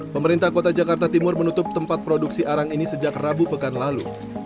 pemerintah kota jakarta timur menutup tempat produksi arang ini sejak rabu pekan lalu